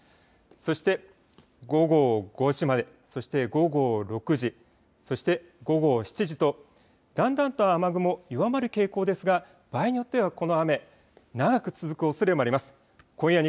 そして、午後５時までそして、午後６時そして、午後７時とだんだんと雨雲弱まる傾向ですが場合によってはこの雨長く続くおそれもあります。